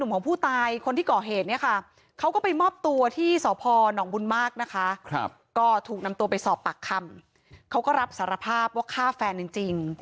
สอบปากคำเขาก็รับสารภาพว่าฆ่าแฟนจริง